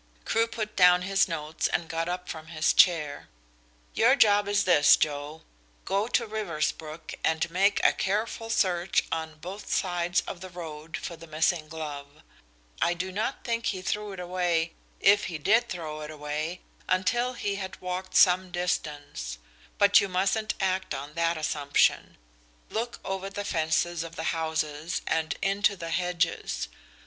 Crewe put down his notes and got up from his chair. "Your job is this, Joe. Go to Riversbrook and make a careful search on both sides of the road for the missing glove. I do not think he threw it away if he did throw it away until he had walked some distance, but you mustn't act on that assumption. Look over the fences of the houses and into the hedges.